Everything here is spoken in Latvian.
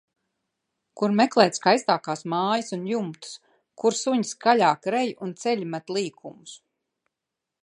Kur meklēt skaistākās mājas un jumtus. Kur suņi skaļāk rej un ceļi met līkumus.